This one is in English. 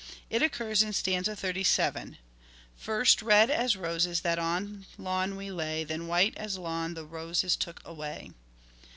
It occurs in stanza 37 :— "First red as roses that on lawn we lay, Then white as lawn the roses took away."